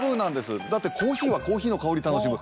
だってコーヒーはコーヒーの香り楽しむ。